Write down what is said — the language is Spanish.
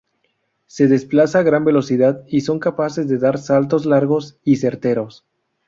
Se desplazan a gran velocidad y son capaces de dar saltos largos y certeros.